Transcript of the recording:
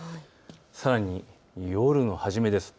さらに夜の初めです。